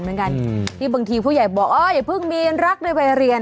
เหมือนกันอืมนี่บางทีผู้ใหญ่บอกอ๋ออย่าเพิ่งเมียนรักเลยไปเรียน